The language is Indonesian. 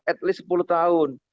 at least sepuluh tahun